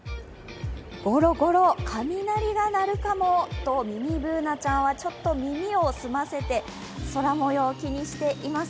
ゴロゴロ、雷が鳴るかもと、ミニＢｏｏｎａちゃんは、ちょっと耳を澄ませて空もようを気にしています。